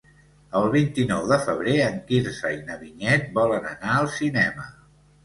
El vint-i-nou de febrer en Quirze i na Vinyet volen anar al cinema.